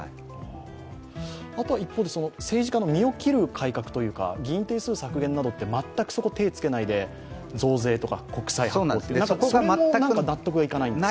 一方で、政治家の身を切る改革というか、議員定数削減など全く手をつけないで増税とか国債発行とか、それも納得いかないんですよ。